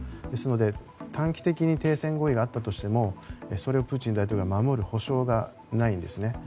ですので、短期的に停戦合意があったとしてもそれをプーチン大統領が守る保証がないんですね。